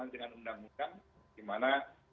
dengan undang undang di mana